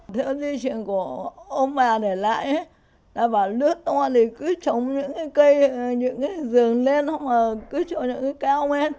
theo di chuyển của ông bà để lại ta bảo nước to thì cứ trồng những cái cây những cái rừng lên không mà cứ trồng những cái cao mết